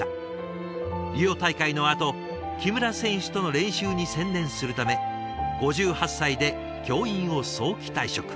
リオ大会のあと木村選手との練習に専念するため５８歳で教員を早期退職。